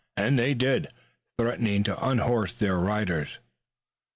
And they did, threatening to unhorse their riders.